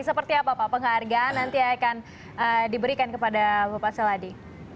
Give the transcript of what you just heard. seperti apa pak penghargaan nanti akan diberikan kepada bapak seladi